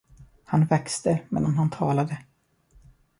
Han växte, medan han talade.